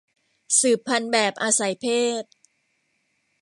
สืบพันธุ์แบบอาศัยเพศ